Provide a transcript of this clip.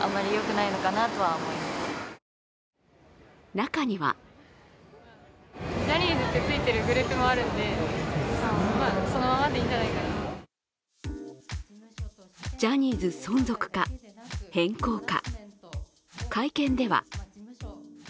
中にはジャニーズ存続か、変更か。